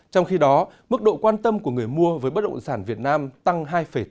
trong khi đó mức độ quan tâm của người mua với bất động sản việt nam tăng hai tám